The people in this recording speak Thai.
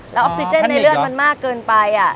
แล้วออกซิเจนในเลือดมันมากเกินไป